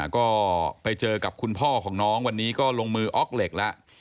ก็ไปเจอกับคุณพ่อของน้องวันนี้ก็ลงมืออ๊อกเหล็กแล้ว